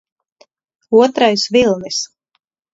Otrais vilnis